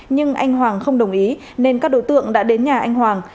nhưng anh hoàng không đồng ý nên các đối tượng đã đến nhà anh hoàng